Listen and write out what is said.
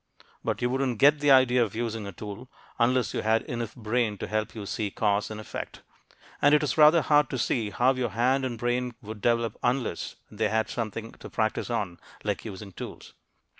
But you wouldn't get the idea of using a tool unless you had enough brain to help you see cause and effect. And it is rather hard to see how your hand and brain would develop unless they had something to practice on like using tools.